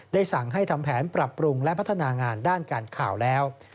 สั่งให้ทำแผนปรับปรุงและพัฒนางานด้านการข่าวแล้ว